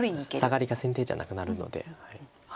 サガリが先手じゃなくなるので。